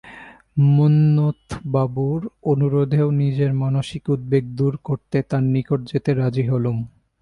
মন্মথবাবুর অনুরোধেও নিজের মানসিক উদ্বেগ দূর করতে তার নিকট যেতে রাজী হলুম।